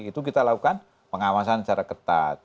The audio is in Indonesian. itu kita lakukan pengawasan secara ketat